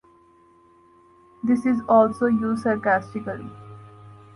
This is also used sarcastically.